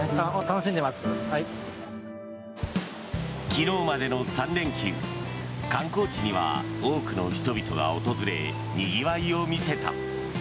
昨日までの３連休観光地には多くの人々が訪れにぎわいを見せた。